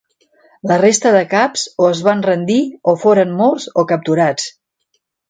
La resta de caps o es van rendir o foren morts o capturats.